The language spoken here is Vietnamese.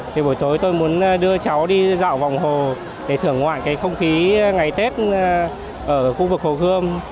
thì buổi tối tôi muốn đưa cháu đi dạo vòng hồ để thưởng ngoạn cái không khí ngày tết ở khu vực hồ gươm